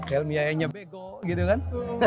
helmi yahya nya bego gitu kan